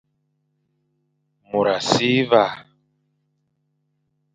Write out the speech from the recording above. Môr a si va,